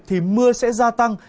thì mưa sẽ gia tăng